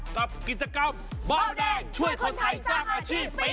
กับกิจกรรมเบาแดงช่วยคนไทยสร้างอาชีพ